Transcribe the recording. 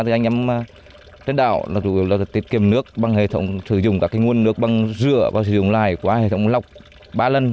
thì anh em trên đảo là chủ yếu là tiết kiệm nước bằng hệ thống sử dụng các nguồn nước bằng rửa và sử dụng lại qua hệ thống lọc ba lần